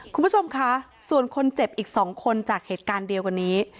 คุณผู้ชมคะส่วนคนเจ็บอีก๒คนจากเหตุการณ์เดียวกันนี้